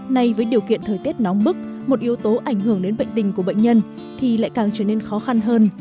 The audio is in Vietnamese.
nay với điều kiện thời tiết nóng bức một yếu tố ảnh hưởng đến bệnh tình của bệnh nhân thì lại càng trở nên khó khăn hơn